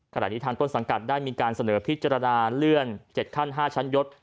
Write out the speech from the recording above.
ขณะนี้ทางต้นสังกัดได้มีการเสนอพิจารณาเลื่อน๗ขั้น๕ชั้นยศ